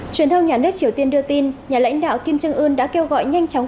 truyền thông nhà nước triều tiên đưa tin nhà lãnh đạo kim jong un đã kêu gọi nhanh chóng